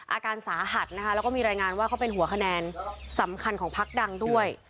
อาการสาหัสนะคะแล้วก็มีรายงานว่าเขาเป็นหัวคะแนนสำคัญของพักดังด้วย